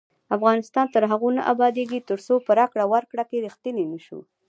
افغانستان تر هغو نه ابادیږي، ترڅو په راکړه ورکړه کې ریښتیني نشو.